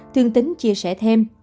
thương tính chia sẻ thêm